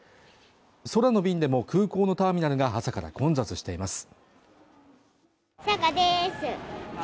空の便でも空港のターミナルが朝から混雑しています